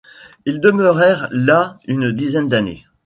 Ils demeurèrent là une dizaine d'années.